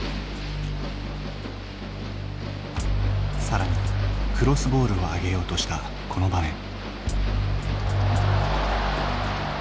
更にクロスボールを上げようとしたこの場面。